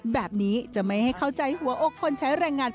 แบบนี้จะไม่ให้เข้าใจหัวอกคนใช้แรงงาน